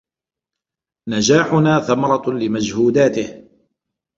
نجاحنا ثمرة لمجهوداته.